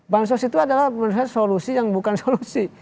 bansos itu adalah solusi yang bukan solusi